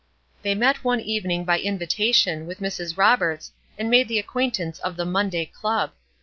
They met one evening by invitation, with Mrs. Roberts, and made the acquaintance of the "Monday Club."